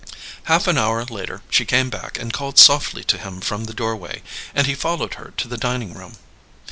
Half an hour later she came back and called softly to him from the doorway; and he followed her to the dining room.